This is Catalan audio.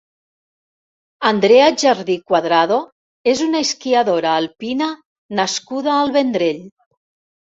Andrea Jardí Cuadrado és una esquiadora alpina nascuda al Vendrell.